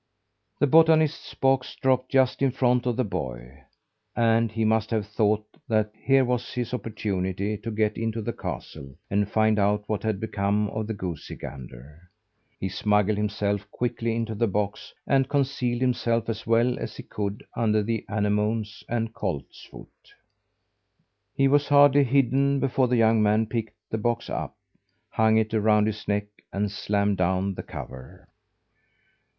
The botanist's box dropped just in front of the boy; and he must have thought that here was his opportunity to get into the castle and find out what had become of the goosey gander. He smuggled himself quickly into the box and concealed himself as well as he could under the anemones and colt's foot. He was hardly hidden before the young man picked the box up, hung it around his neck, and slammed down the cover.